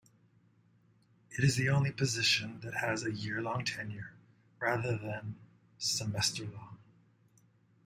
It is the only position that has a year-long tenure, rather than semester-long.